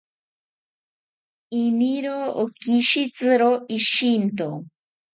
Iniro okishitziro ishinto